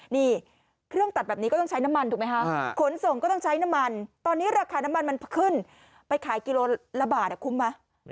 นี่เครื่องตัดแบบนี้ก็ต้องใช้น้ำมันถูกไหมคะขนส่งก็ต้องใช้น้ำมันตอนนี้ราคาน้ำมันมันขึ้นไปขายกิโลละบาทคุ้มไหม